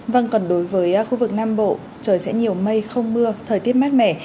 vâng còn đối với khu vực nam bộ trời sẽ nhiều mây không mưa thời tiết mát mẻ